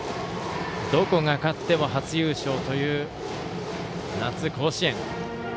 どこが勝っても初優勝という夏甲子園。